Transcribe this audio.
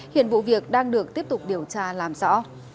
điều việc đang được tiếp tục điều tra làm rõ